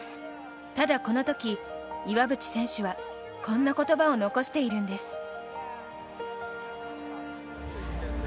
ただこの時、岩渕選手はこんな言葉を残しているんです。